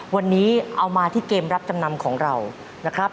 วันนี้เอามาที่เกมรับจำนำของเรานะครับ